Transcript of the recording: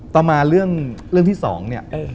ต่อมาเรื่องที่๒เนี่ย